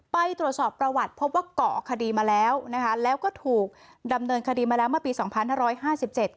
ไปตรวจสอบประวัติพบว่าเกาะคดีมาแล้วนะคะแล้วก็ถูกดำเนินคดีมาแล้วเมื่อปีสองพันห้าร้อยห้าสิบเจ็ด